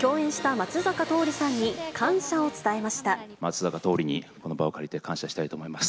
松坂桃李にこの場を借りて感謝したいと思います。